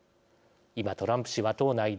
今、トランプ氏は党内で。